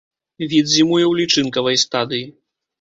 Від зімуе ў лічынкавай стадыі.